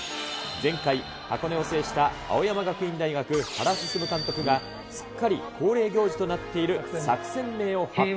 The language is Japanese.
前回、箱根を制した青山学院大学、原晋監督が、すっかり恒例行事となっている作戦名を発表。